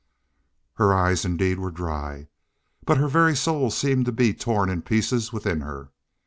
Her eyes indeed were dry, but her very soul seemed to be torn in pieces within her.